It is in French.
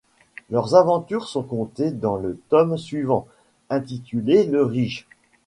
Leurs aventures sont contées dans le tome suivant, intitulé Le Rige.